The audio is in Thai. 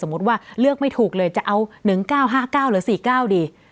ว่าเลือกไม่ถูกเลยจะเอา๑๙๕๙หรือ๔๙ดี